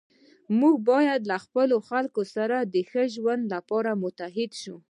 موږ باید له خپلو خلکو سره د ښه ژوند لپاره متحد شو.